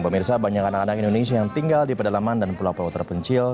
pemirsa banyak anak anak indonesia yang tinggal di pedalaman dan pulau pulau terpencil